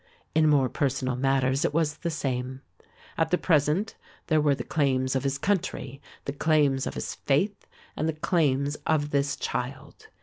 In more personal matters it was the same. At the present there were the claims of his country, the claims of his faith and the claims of this child.